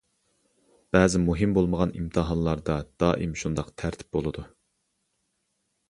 بەزى مۇھىم بولمىغان ئىمتىھانلاردا دائىم شۇنداق تەرتىپ بولىدۇ.